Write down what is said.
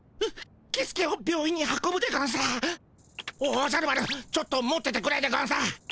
おじゃる丸ちょっと持っててくれでゴンス。